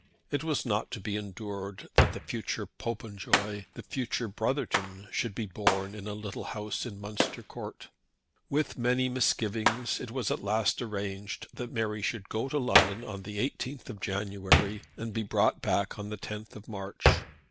It was not to be endured that the future Popenjoy, the future Brotherton, should be born in a little house in Munster Court. With many misgivings it was at last arranged that Mary should go to London on the 18th of January, and be brought back on the 10th of March.